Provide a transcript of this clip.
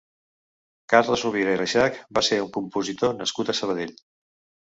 Carles Rovira i Reixach va ser un compositor nascut a Sabadell.